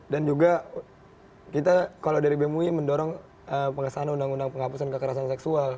dan juga kita kalau dari bemui mendorong pengesahan undang undang penghapusan kekerasan seksual